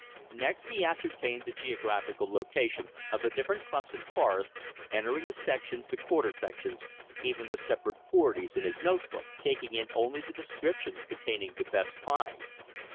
Next he ascertained the geographical location of the different clumps and forests, entering the sections, the quarter sections, even the separate forties in his note book; taking in only the "descriptions" containing the best pine.